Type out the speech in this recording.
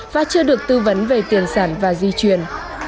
và chưa được tư vấn về tiền sản và di chuyển